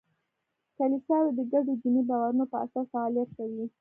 کلیساوې د ګډو دیني باورونو په اساس فعالیت کوي.